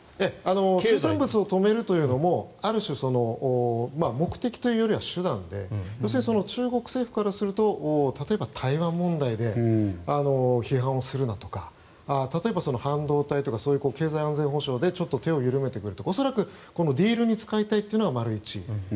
水産物を止めるというのも、ある種目的というよりは手段で中国政府からすると例えば台湾問題で批判するなとか半導体とか経済安全保障でちょっと手を緩めるとか恐らくディールに使いたいというのが１。